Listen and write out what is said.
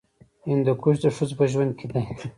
هندوکش د ښځو په ژوند کې دي.